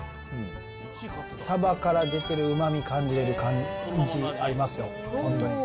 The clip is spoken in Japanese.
サバから出てるうまみ、感じられる感じありますよ、本当に。